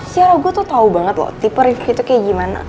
sejauh gue tuh tau banget loh tipe rifqi tuh kayak gimana